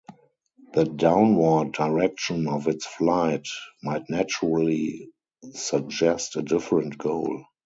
The downward direction of its flight might naturally suggest a different goal.